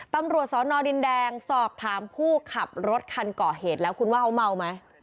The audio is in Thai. ตำรวจสอนอดินแดงสอบถามผู้ขับรถคันก่อเหตุแล้วคุณว่าเขาเมาไหม